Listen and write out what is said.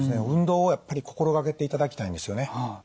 運動をやっぱり心がけていただきたいんですよね。